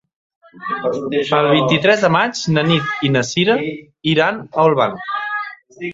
El vint-i-tres de maig na Nit i na Cira iran a Olvan.